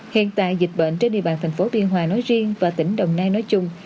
hiện tại dịch bệnh trên địa bàn thành phố biên hòa nói riêng và tỉnh đồng nai nói chung